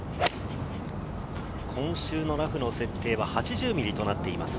今週のラフの設定は８０ｍｍとなっています。